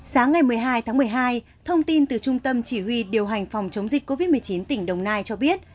sáng ngày một mươi hai tháng một mươi hai thông tin từ trung tâm chỉ huy điều hành phòng chống dịch covid một mươi chín tỉnh đồng nai cho biết